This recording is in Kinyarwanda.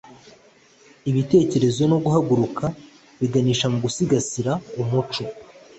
ibitekerezo no guhugurana biganisha mu gusigasira umuco